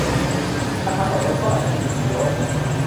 ราคาต่อโดสเท่าไร ต้องฉีดกี่โดส